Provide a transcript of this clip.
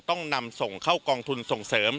ต้องนำส่งเข้ากองทุนส่งเสริม